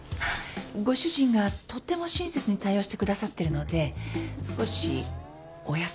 ご主人がとっても親切に対応してくださってるので少しお休みになったらいかがですか？